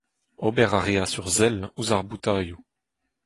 Ober a reas ur sell ouzh ar boutailhoù.